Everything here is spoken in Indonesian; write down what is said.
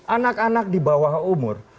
anak anak di bawah umur